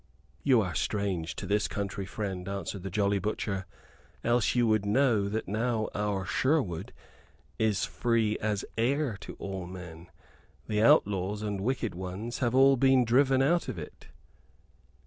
"You are strange to this country, friend," answered the jolly butcher, "else you would know that now our Sherwood is free as air to all men. The outlaws and wicked ones have all been driven out of it."